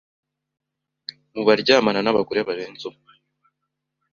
mu baryamana n’abagore barenze umwe,